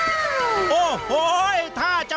โอ้โหถ้าจะแม่นขนาดนี้รับดูด้วย